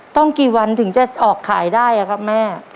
ต้องกี่วันถึงจะออกขายได้อะครับแม่